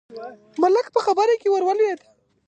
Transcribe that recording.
ملک په خبره کې ور ولوېد: